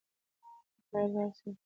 په خیر راسئ.